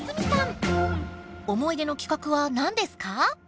思い出の企画は何ですか？